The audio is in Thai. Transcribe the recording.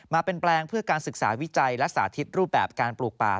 เป็นแปลงเพื่อการศึกษาวิจัยและสาธิตรูปแบบการปลูกป่า